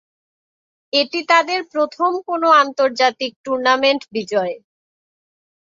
এটি তাদের প্রথম কোন আন্তর্জাতিক টুর্নামেন্ট বিজয়।